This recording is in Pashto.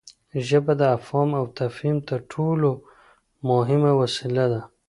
ژبه د افهام او تفهیم تر ټولو مهمه وسیله ده.